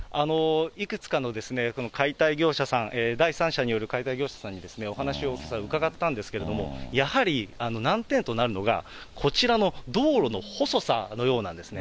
いくつかの解体業者さん、第三者による解体業者さんにお話を伺ったんですけれども、やはり難点となるのが、こちらの道路の細さのようなんですね。